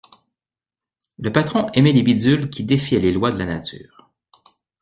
Le patron aimait les bidules qui défiaient les lois de la nature.